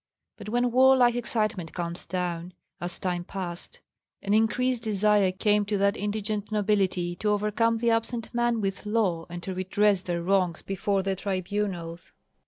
But when warlike excitement calmed down, as time passed, an increased desire came to that indigent nobility to overcome the absent man with law and to redress their wrongs before the tribunals.